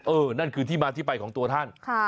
นั่นคือที่มาที่ไปของตัวท่าน